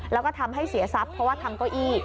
แล้วก็ทำให้เสียทรัพย์เพราะว่าทำเก้าอี้